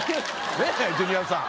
ねえジュニアさん。